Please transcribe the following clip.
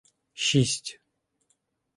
Шість